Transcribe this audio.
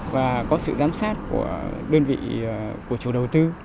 và có sự giám sát của đơn vị của chủ đầu tư